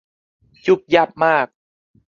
ยุ่บยั่บมาก